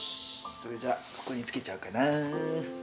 それじゃここに付けちゃおうかな。